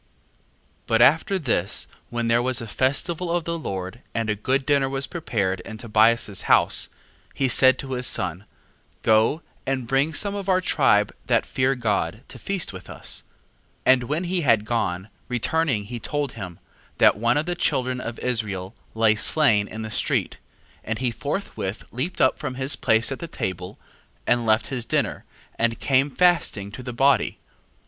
2:1. But after this, when there was a festival of the Lord, and a good dinner was prepared in Tobias's house, 2:2. He said to his son: Go, and bring some of our tribe that fear God, to feast with us. 2:3. And when he had gone, returning he told him, that one of the children of Israel lay slain in the street. And he forthwith leaped up from his place at the table, and left his dinner, and came fasting to the body.